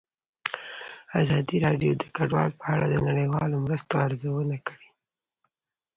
ازادي راډیو د کډوال په اړه د نړیوالو مرستو ارزونه کړې.